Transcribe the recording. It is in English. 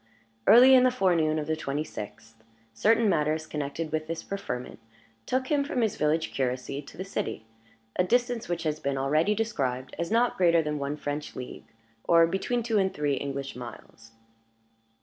Early in the forenoon of the twenty sixth, certain matters connected with this preferment took him from his village curacy to the city a distance which has been already described as not greater than one French league, or between two and three English miles.